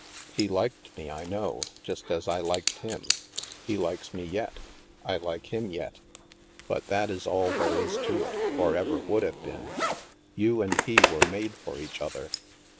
He liked me, I know, just as I liked him. He likes me yet ; I like him yet. But that is all there 90 THE MASK is to it, or ever would have been. You and he were made for each other."